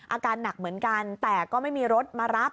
อาการหนักเหมือนกันแต่ก็ไม่มีรถมารับ